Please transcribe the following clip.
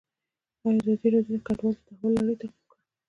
ازادي راډیو د کډوال د تحول لړۍ تعقیب کړې.